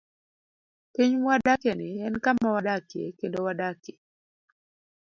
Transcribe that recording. Piny mwadakieni en kama wadakie kendo wadakie.